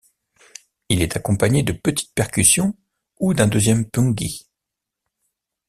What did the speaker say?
Il est accompagné de petites percussions ou d'un deuxième pungi.